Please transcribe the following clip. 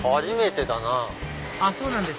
初めてだな。